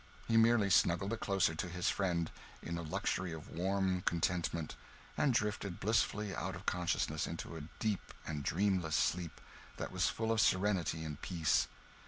He merely snuggled the closer to his friend, in a luxury of warm contentment, and drifted blissfully out of consciousness into a deep and dreamless sleep that was full of serenity and peace.